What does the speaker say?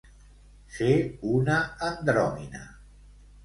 Ser una andròmina.